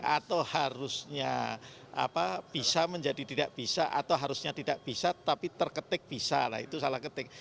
atau harusnya bisa menjadi tidak bisa atau harusnya tidak bisa tapi terketik bisa lah itu salah ketik